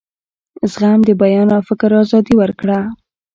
زغم د بیان او فکر آزادي ورکړه.